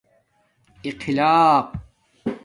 اخلاق